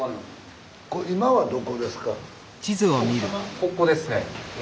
ここですね駅。